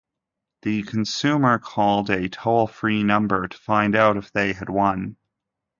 The consumer called a toll-free number to find out if they had won.